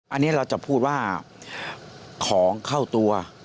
อันนี้เราจะพูดว่าของเข้าตัว